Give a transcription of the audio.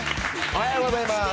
おはようございます。